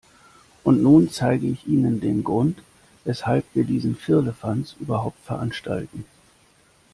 Und nun zeige ich Ihnen den Grund, weshalb wir diesen Firlefanz überhaupt veranstalten.